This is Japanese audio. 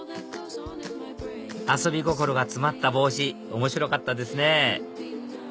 遊び心が詰まった帽子面白かったですね